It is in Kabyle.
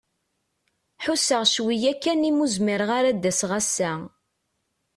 Ḥuseɣ cwiya kan i mi ur zmireɣ ara ad d-aseɣ ass-a.